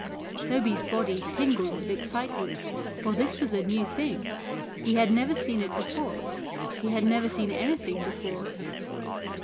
Toby's body tingled with excitement, for this was a new thing ; he had never seen it before, he had never seen anything before.